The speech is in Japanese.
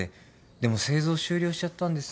でも製造終了しちゃったんですよ。